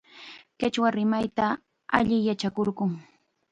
Qichwa rimayta allim yachakurqun.